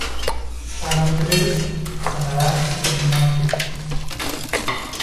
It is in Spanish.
Paga lo que debes, sanaras del mal que tienes.